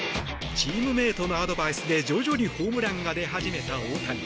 チームメートのアドバイスで徐々にホームランが出始めた大谷。